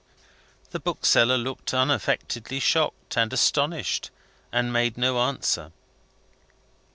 The bookseller looked unaffectedly shocked and astonished, and made no answer.